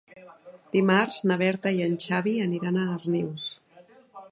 Dimarts na Berta i en Xavi aniran a Darnius.